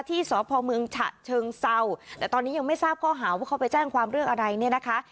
ที่สพเมืองฉะเชิงเซาแต่ตอนนี้ยังไม่ทราบข้อหาว่าเขาไปแจ้งความเรื่องอะไรเนี่ยนะคะ